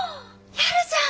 やるじゃん！